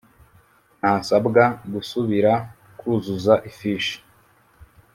ntasabwa gusubira kuzuza ifishi